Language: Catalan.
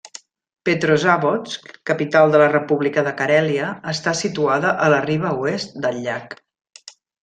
Petrozavodsk, capital de la República de Carèlia, està situada a la riba oest del llac.